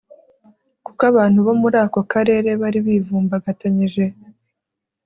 kuko abantu bo muri ako karere bari bivumbagatanyije